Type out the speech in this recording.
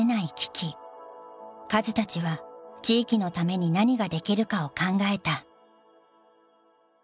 カズたちは地域のために何ができるかを考えた。